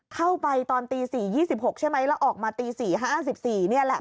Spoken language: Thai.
เข้าไปตอนตี๔๒๖ใช่ไหมแล้วออกมาตี๔๕๔นี่แหละ